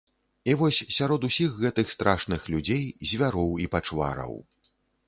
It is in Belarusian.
І вось сярод усіх гэтых страшных людзей, звяроў і пачвараў.